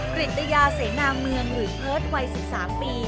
กริตยาเสนาเมืองหรือเพิร์ตวัย๑๓ปี